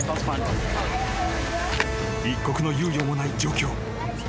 ［一刻の猶予もない状況］